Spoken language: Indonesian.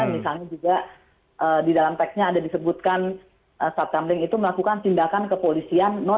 misalnya juga di dalam teksnya ada disebutkan satkamling itu melakukan tindakan kepolisian